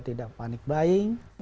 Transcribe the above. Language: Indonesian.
tidak panik buying